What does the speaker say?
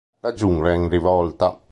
La jungla in rivolta